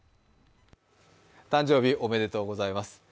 誕生日おめでとうございます。